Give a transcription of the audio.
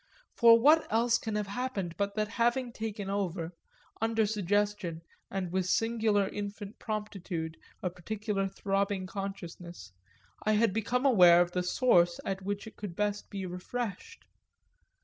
What else can have happened but that, having taken over, under suggestion and with singular infant promptitude, a particular throbbing consciousness, I had become aware of the source at which it could best be refreshed?